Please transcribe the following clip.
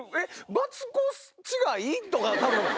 マツコ違い？とか多分。